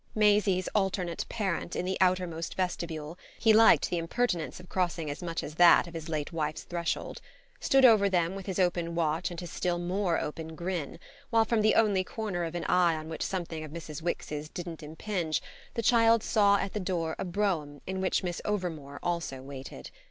Maisie's alternate parent, in the outermost vestibule he liked the impertinence of crossing as much as that of his late wife's threshold stood over them with his open watch and his still more open grin, while from the only corner of an eye on which something of Mrs. Wix's didn't impinge the child saw at the door a brougham in which Miss Overmore also waited.